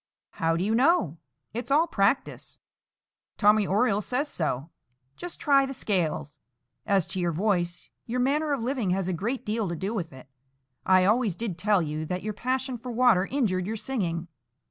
"How do you know? It's all practice; Tommy Oriole says so. Just try the scales. As to your voice, your manner of living has a great deal to do with it. I always did tell you that your passion for water injured your singing.